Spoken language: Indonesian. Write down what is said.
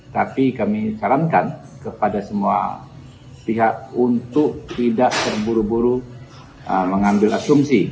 tapi kami sarankan kepada semua pihak untuk tidak terburu buru mengambil asumsi